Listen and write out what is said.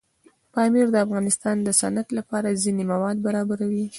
پامیر د افغانستان د صنعت لپاره ځینې مواد برابروي.